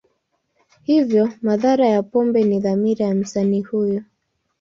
Hivyo, madhara ya pombe ni dhamira ya msanii huyo.